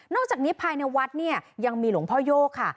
จากนี้ภายในวัดเนี่ยยังมีหลวงพ่อโยกค่ะ